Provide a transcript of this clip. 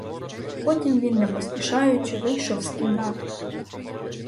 Потім він не поспішаючи вийшов з кімнати.